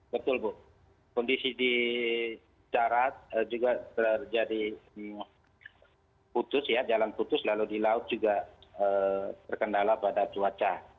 betul bu kondisi di darat juga terjadi putus jalan putus lalu di laut juga terkendala pada cuaca